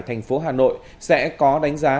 thành phố hà nội sẽ có đánh giá